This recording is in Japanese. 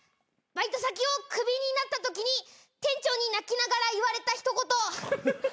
バイト先をクビになったときに店長に泣きながら言われた一言。